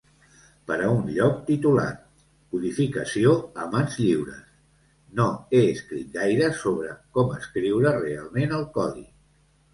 Per a un lloc titulat "Codificació a mans lliures", no he escrit gaire sobre "Com escriure realment el codi".